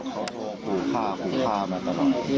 เขาขู่ฆ่าขู่ฆ่ามาตลอด